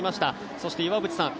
そして、岩渕さん